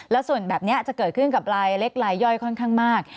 แล้วส่วนแบบนี้จะเกิดขึ้นกับลายเล็กลายย่อยค่อนข้างมาก